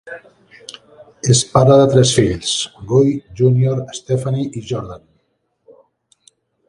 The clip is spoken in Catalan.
És pare de tres fills: Guy Junior, Stephanie i Jordan.